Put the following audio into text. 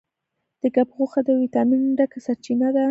د کب غوښه د ویټامین ډکه سرچینه ده.